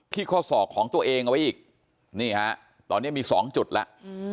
ข้อศอกของตัวเองเอาไว้อีกนี่ฮะตอนนี้มี๒จุดแล้ว